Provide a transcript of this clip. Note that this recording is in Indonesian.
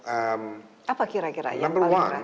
apa kira kira yang paling ramai